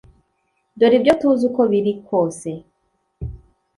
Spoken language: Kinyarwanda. Dore ibyo tuzi uko biri kose